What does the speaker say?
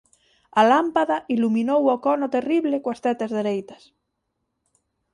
A lámpada iluminou o cono terrible coas tetas dereitas.